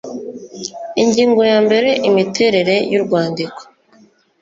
Ingingo ya mbere Imiterere y urwandiko